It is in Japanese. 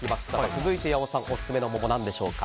続いて、八尾さんオススメの桃は何でしょうか。